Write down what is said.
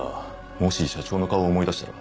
もし社長の顔を思い出したら。